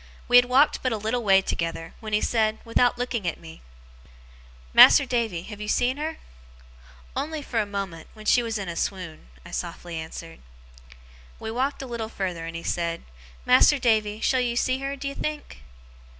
We had walked but a little way together, when he said, without looking at me: 'Mas'r Davy, have you seen her?' 'Only for a moment, when she was in a swoon,' I softly answered. We walked a little farther, and he said: 'Mas'r Davy, shall you see her, d'ye think?